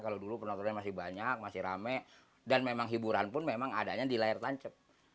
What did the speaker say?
kalau dulu penontonnya masih banyak masih rame dan memang hiburan pun memang adanya di layar tancap